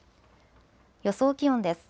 予想気温です。